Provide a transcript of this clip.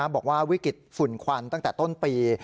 บอกว่าวิกฤตฝุ่นควันตั้งแต่ต้นปี